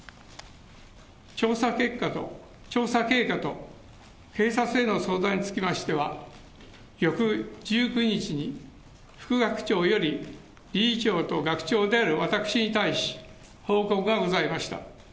調査経過と警察への相談につきましては、翌１９日に副学長より理事長と学長である私に対し、報告がございました。